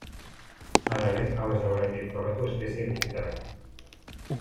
Hala ere, hau ez da oraindik frogatu espezie guztietarako.